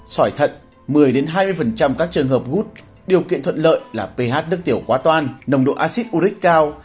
sỏi thận một mươi hai mươi các trường hợp hút điều kiện thuận lợi là ph đức tiểu quá toan nồng độ acid uric cao